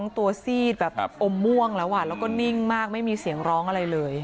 ตัวซีดแบบอมม่วงแล้วแล้วก็นิ่งมากไม่มีเสียงร้องอะไรเลย